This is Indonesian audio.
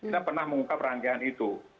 kita pernah mengungkap rangkaian itu